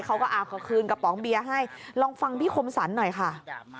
เขาก็เอาคืนกระป๋องเบียร์ให้ลองฟังพี่คมสรรหน่อยค่ะ